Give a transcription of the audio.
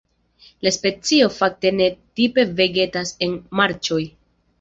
La specio fakte ne tipe vegetas en marĉoj.